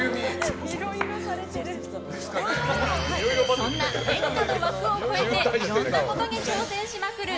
そんな演歌の枠を超えていろんなことに挑戦しまくる